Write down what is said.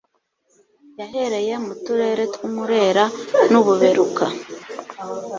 Yahereye mu turere tw' u Mulera n' u Buberuka,